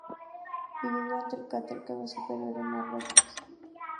Vivió durante el Cretácico Superior en Marruecos.